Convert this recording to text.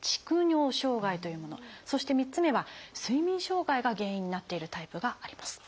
そして３つ目は「睡眠障害」が原因になっているタイプがあります。